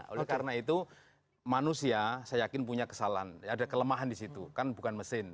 oleh karena itu manusia saya yakin punya kesalahan ada kelemahan di situ kan bukan mesin